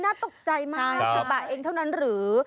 น่าตกใจมาก๕๐บาทเองเท่านั้นหรือ